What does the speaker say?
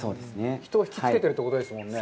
人を引きつけているってことですもんね。